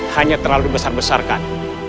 hanya terlalu besar besarkan